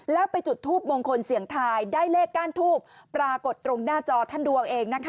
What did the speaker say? แล้วไปจุดทูปมงคลเสียงทายได้เลขก้านทูบปรากฏตรงหน้าจอท่านดูเอาเองนะคะ